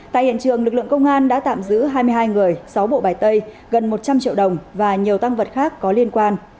tại hiện trường lực lượng công an đã tạm giữ hai mươi hai người sáu bộ bài tay gần một trăm linh triệu đồng và nhiều tăng vật khác có liên quan